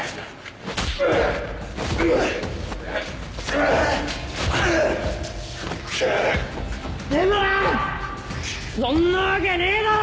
そんなわけねえだろ！